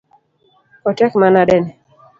Otek manade ni